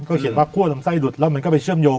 เขียนว่าคั่วลำไส้หลุดแล้วมันก็ไปเชื่อมโยง